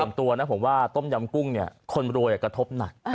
ส่วนตัวนะผมว่าต้มยำกุ้งเนี่ยคนรวยกระทบหนัก